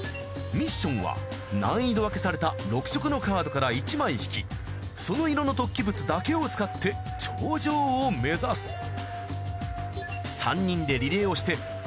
ミッションは難易度分けされた６色のカードから１枚引きその色の突起物だけを使って頂上を目指す。